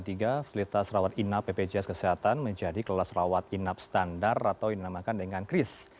fasilitas rawat inap bpjs kesehatan menjadi kelas rawat inap standar atau yang dinamakan dengan kris